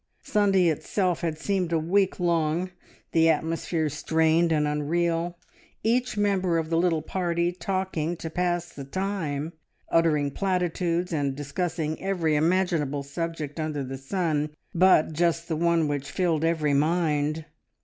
Sunday itself had seemed a week long, the atmosphere strained and unreal, each member of the little party talking to pass the time, uttering platitudes, and discussing every imaginable subject under the sun but just the one which filled every mind.